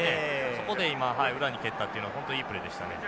そこで今裏に蹴ったっていうのは本当いいプレーでしたね。